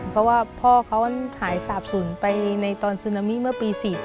เพราะว่าพ่อเขาหายสาบศูนย์ไปในตอนซึนามิเมื่อปี๔๗